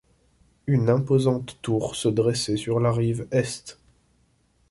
Une imposante tour se dressait sur la rive est.